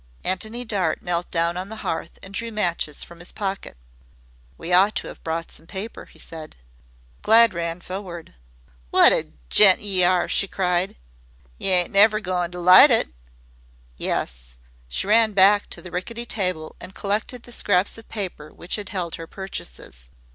Antony Dart knelt down on the hearth and drew matches from his pocket. "We ought to have brought some paper," he said. Glad ran forward. "Wot a gent ye are!" she cried. "Y' ain't never goin' to light it?" "Yes." She ran back to the rickety table and collected the scraps of paper which had held her purchases.